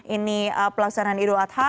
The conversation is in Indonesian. ini pelaksanaan idul adha